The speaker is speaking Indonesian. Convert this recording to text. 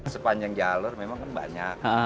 sepanjang jalur memang banyak